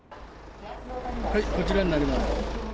こちらになります。